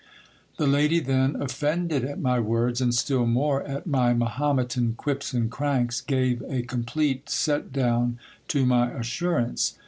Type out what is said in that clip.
The lady then, offended at my words, and still more at my Mahometan quips and cranks, gave a com plete set down to my assurance.